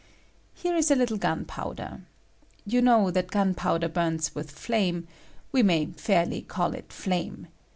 Here is a little gunpowder. You know that gunpowder bums with flame ; we may fairly call it flame.